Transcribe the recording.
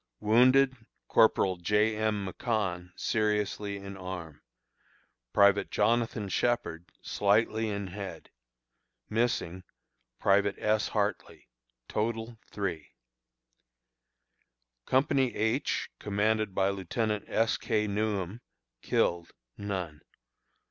Wounded: Corporal J. M. McConn, seriously in arm; Private Jonathan Shepherd, slightly in head. Missing: Private S. Hartley. Total, 3. Company H, commanded by Lieutenant S. K. Newham. Killed: None.